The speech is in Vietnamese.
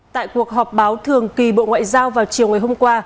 tại cuộc họp báo thường kỳ bộ ngoại giao vào chiều ngày hôm qua